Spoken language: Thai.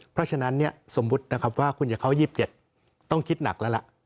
เพราะฉะนั้นเนี้ยสมมุตินะครับว่าคุณจะเข้ายี่สิบเจ็ดต้องคิดหนักแล้วล่ะ